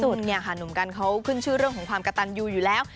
เนี่ยค่ะหนุ่มกันเขาขึ้นชื่อเรื่องของความกระตันยูอยู่แล้ว